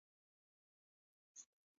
د معدې السر د هیليکوبیکټر له امله دی.